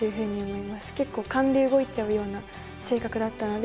結構「勘」で動いちゃうような性格だったので。